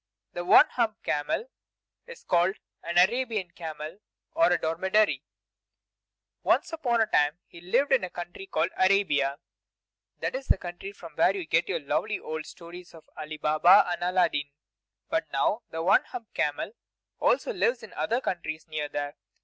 The One Hump camel is called an Arabian camel, or a dromedary. Once upon a time he lived in the country called Arabia; that is the country from where you get your lovely old stories of Ali Baba and Aladdin. But now the One Hump camel also lives in other countries near there.